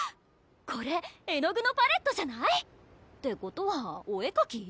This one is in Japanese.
これ絵の具のパレットじゃない？ってことはお絵かき？